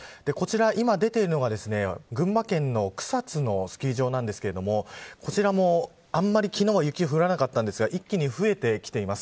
今、出ているのは群馬県の草津のスキー場なんですがこちらも、あまり昨日は雪が降らなかったんですが一気に増えてきています。